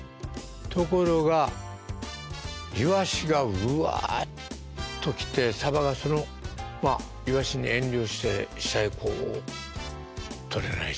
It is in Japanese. ところがイワシがうわっと来てサバがイワシに遠慮して下へこうとれないそうなんです。